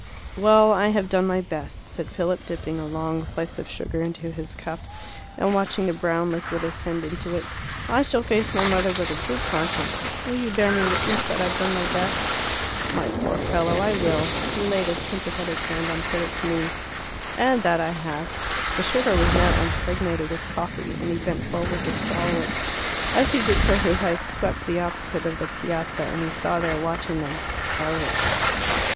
"Well, I have done my best," said Philip, dipping a long slice of sugar into his cup, and watching the brown liquid ascend into it. "I shall face my mother with a good conscience. Will you bear me witness that I've done my best?" "My poor fellow, I will!" He laid a sympathetic hand on Philip's knee. "And that I have " The sugar was now impregnated with coffee, and he bent forward to swallow it. As he did so his eyes swept the opposite of the Piazza, and he saw there, watching them, Harriet.